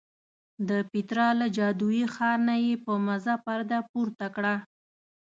د پیترا له جادویي ښار نه یې په مزه پرده پورته کړه.